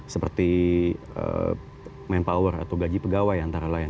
seperti manpower atau gaji pegawai antara lain